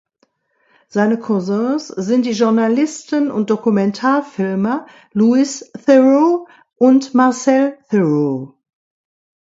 Seine Cousins sind die Journalisten und Dokumentarfilmer Louis Theroux und Marcel Theroux.